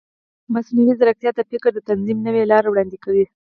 مصنوعي ځیرکتیا د فکر د تنظیم نوې لارې وړاندې کوي.